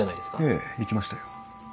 ええ行きましたよ。